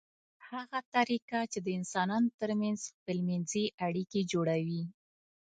هغه طریقه چې د انسانانو ترمنځ خپلمنځي اړیکې جوړوي